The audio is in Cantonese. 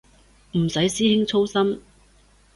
唔使師兄操心